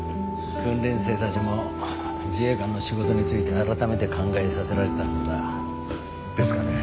訓練生たちも自衛官の仕事についてあらためて考えさせられたはずだ。ですかね。